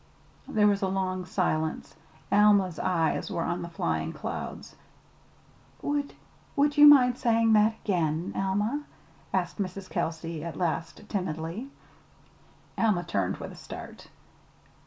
'" There was a long silence. Alma's eyes were on the flying clouds. "Would would you mind saying that again, Alma?" asked Mrs. Kelsey at last timidly. Alma turned with a start.